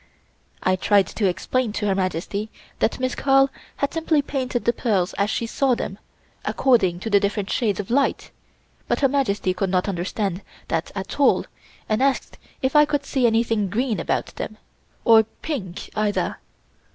I tried to explain to Her Majesty that Miss Carl had simply painted the pearls as she saw them, according to the different shades of light, but Her Majesty could not understand that at all and asked if I could see anything green about them, or pink either.